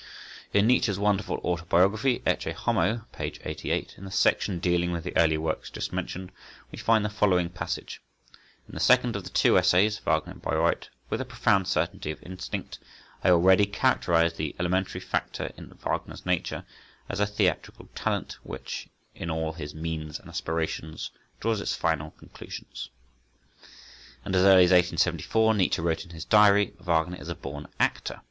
In Nietzsche's wonderful autobiography (Ecce Homo, p. 88), in the section dealing with the early works just mentioned, we find the following passage—"In the second of the two essays [Wagner in Bayreuth] with a profound certainty of instinct, I already characterised the elementary factor in Wagner's nature as a theatrical talent which, in all his means and aspirations, draws its final conclusions." And as early as 1874, Nietzsche wrote in his diary—"Wagner is a born actor.